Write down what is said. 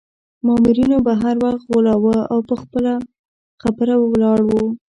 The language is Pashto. مامورینو به هر وخت غولاوه او پر خپله خبره ولاړ وو.